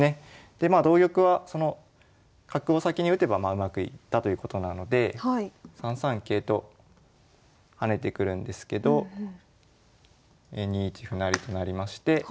でまあ同玉はその角を先に打てばうまくいったということなので３三桂と跳ねてくるんですけど２一歩成となりまして。